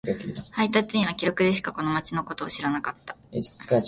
隊員達は記録でしかこの町のことを知らなかった。